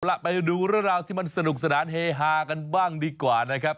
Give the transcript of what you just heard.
ล่ะไปดูเรื่องราวที่มันสนุกสนานเฮฮากันบ้างดีกว่านะครับ